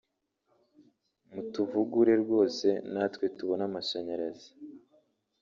mutuvugure rwose natwe tubone amashanyarazi